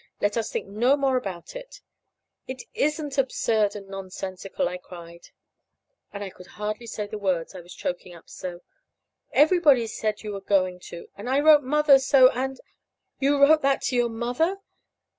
Let us think no more about it." "It isn't absurd and nonsensical!" I cried. And I could hardly say the words, I was choking up so. "Everybody said you were going to, and I wrote Mother so; and " "You wrote that to your mother?"